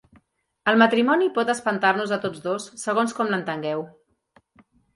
El matrimoni pot espantar-nos a tots dos segons com l'entengueu.